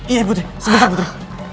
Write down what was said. iya putri sebentar putri